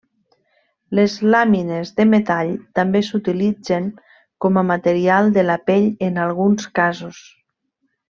Les làmines de metall també s'utilitzen com a material de la pell en alguns casos.